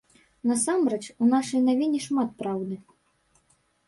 Насамрэч, у нашай навіне шмат праўды.